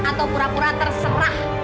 atau pura pura terserah